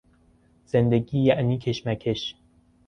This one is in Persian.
زندگی یعنی کشمکش